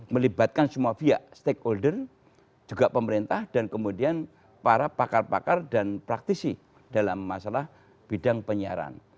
melibatkan semua pihak stakeholder juga pemerintah dan kemudian para pakar pakar dan praktisi dalam masalah bidang penyiaran